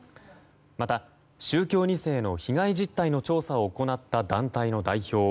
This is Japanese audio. また宗教２世の被害実態の調査を行った団体の代表